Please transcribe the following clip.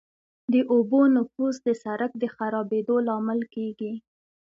د اوبو نفوذ د سرک د خرابېدو لامل کیږي